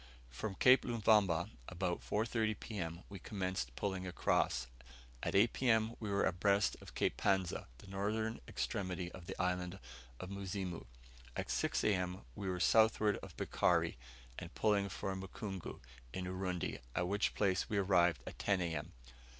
From Cape Luvumba, about 4.30 P.M. we commenced pulling across; at 8 P.M. we were abreast of Cape Panza, the northern extremity of the island of Muzimu; at 6 A.M. we were southward of Bikari, and pulling for Mukungu, in Urundi, at which place we arrived at 10 A.M.